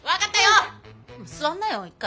座んなよ一回。